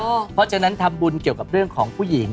เพราะฉะนั้นทำบุญเกี่ยวกับเรื่องของผู้หญิง